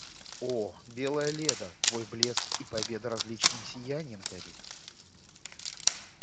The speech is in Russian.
О, белая Леда, твой блеск и победа различным сияньем горит.